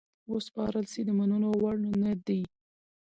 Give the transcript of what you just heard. وسپارل سي د منلو وړ نه دي.